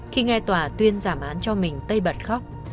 khi nghe tòa tuyên giảm án cho mình tay bật khóc